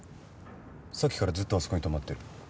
さっきからずっとあそこに止まってる。